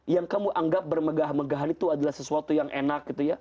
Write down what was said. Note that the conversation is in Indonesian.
yang kamu anggap bermegah megahan itu adalah sesuatu yang enak gitu ya